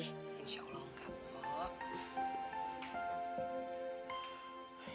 insya allah enggak pok